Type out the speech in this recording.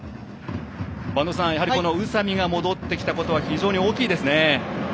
播戸さん、宇佐美が戻ってきたことは非常に大きいですね。